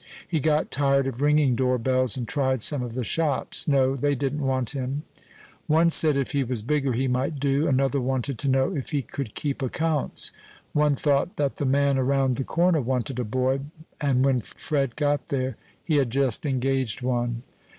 He got tired of ringing door bells, and tried some of the shops. No, they didn't want him. One said if he was bigger he might do; another wanted to know if he could keep accounts; one thought that the man around the corner wanted a boy, and when Fred got there he had just engaged one.